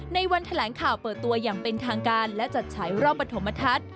ในวันแถลงข่าวเปิดตัวอย่างเป็นทางการและจัดฉายรอบปฐมทัศน์